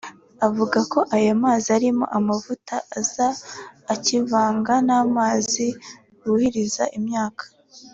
uvuga ko aya mazi arimo amavuta aza akivanga n’amazi buhiza imyaka